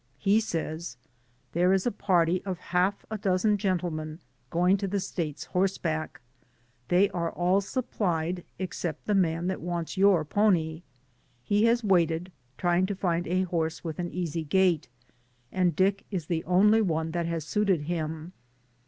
He says: "There is a party of half a dozen gentle men going to the States horseback. They are all supplied, except the man that wants your pony. He has waited, trying to find a horse with an easy gait, and Dick is the only one that has suited him.